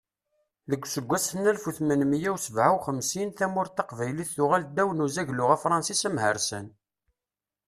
Deg useggas n alef u tmenmiyya u sebɛa u xemsin, tamurt taqbaylit tuɣal ddaw n uzaglu afṛensis amhersan.